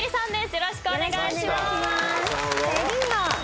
よろしくお願いします。